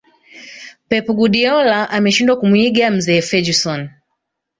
pep guardiola ameshindwa kumuiga mzee ferguson